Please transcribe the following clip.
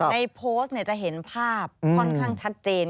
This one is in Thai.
ในโพสต์จะเห็นภาพค่อนข้างชัดเจน